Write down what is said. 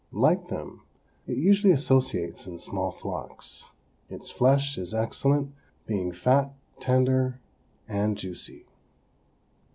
Like them, it usually associates in small flocks. Its flesh is excellent, being fat, tender and juicy.